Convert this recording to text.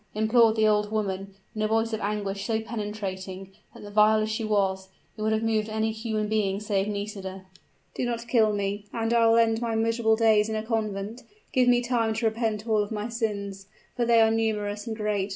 implored the old woman, in a voice of anguish so penetrating, that vile as she was, it would have moved any human being save Nisida. "Do not kill me and I will end my miserable days in a convent! Give me time to repent of all my sins for they are numerous and great!